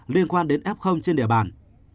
liên quan đến f trên địa bàn